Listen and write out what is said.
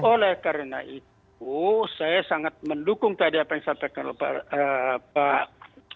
oleh karena itu saya sangat mendukung tadi apa yang disampaikan oleh pak